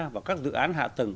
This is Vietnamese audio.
vào các dự án hạ tầng